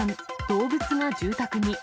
動物が住宅に。